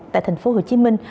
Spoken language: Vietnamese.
tại thành phố hồ chí minh